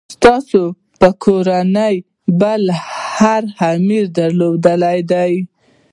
ستاسي د کورنۍ بل هر امیر درلودلې ده.